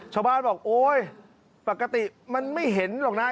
ชาวบ้านบอกโอ๊ยปกติมันไม่เห็นหรอกนะ